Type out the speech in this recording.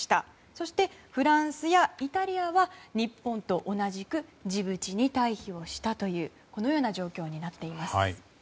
そして、フランスやイタリアは日本と同じくジブチに退避をしたというこのような状況になっています。